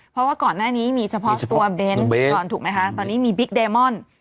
เพราะว่าก่อนหน้านี้มีเฉพาะตัวเบนส์ตอนนี้มีบิ๊กเดมอน